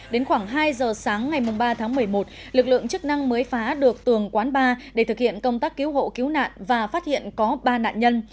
đến khoảng hai giờ sáng ngày ba tháng một mươi một lực lượng chức năng mới phá được tường quán ba để thực hiện công tác cứu hộ cứu nạn và phát hiện có ba nạn nhân